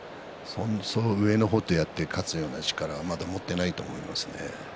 上の方とやって勝つ力はまだ持っていないと思いますね。